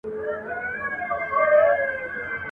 هر وړوکی يې دريادی !.